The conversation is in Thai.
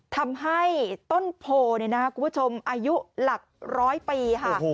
ทำให้ต้นโพเนี่ยนะคุณผู้ชมอายุหลักร้อยปีค่ะ